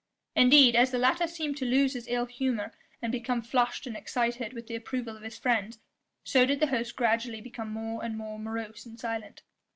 Indeed, as the latter seemed to lose his ill humour and become flushed and excited with the approval of his friends, so did the host gradually become more and more morose and silent.